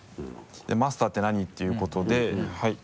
「マスターってなに？」っていうことで。